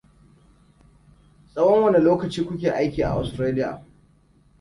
Tsahon wane lokaci ku ke aiki a Australia?